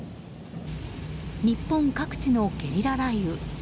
日本各地のゲリラ雷雨。